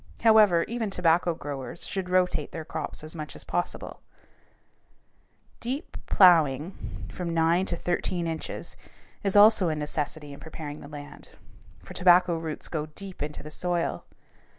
However, even tobacco growers should rotate their crops as much as possible. [Illustration: FIG. 189. A LEAF OF TOBACCO] Deep plowing from nine to thirteen inches is also a necessity in preparing the land, for tobacco roots go deep into the soil.